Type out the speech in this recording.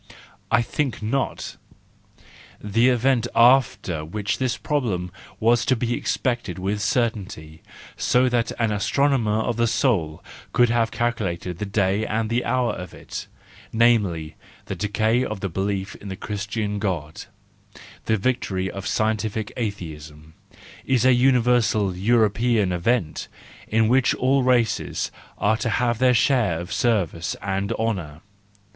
I think not. The event after which this problem was to be expected with certainty, so that an astronomer of the soul could have calculated the day and the hour for it—namely, the decay of the belief in the Christian God, the victory of scientific atheism,—is a universal European event, in which all races are to have their share of service and honour.